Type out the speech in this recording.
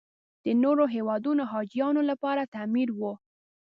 د نورو هېوادونو حاجیانو لپاره تعمیر و.